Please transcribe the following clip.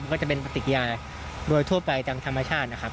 ก็จะเป็นปฏิกิยาโดยทั่วไปตามธรรมชาตินะครับ